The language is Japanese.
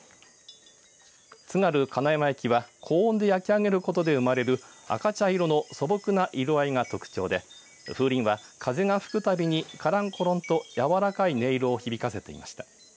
津軽金山焼は高温で焼き上げることで生まれる赤茶色の素朴な色合いが特徴で風鈴は風が吹くたびにカランコロンとやわらかい音色を響かせていました。